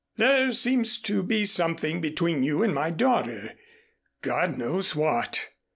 There seems to be something between you and my daughter. God knows what!